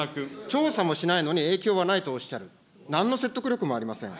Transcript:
調査もしないのに、影響はないとおっしゃる、なんの説得力もありません。